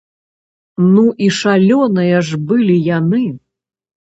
Ну і шалёныя ж былі яны!